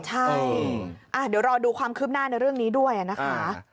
ใช่เดี๋ยวรอดูความคืบหน้าในเรื่องนี้ด้วยนะคะ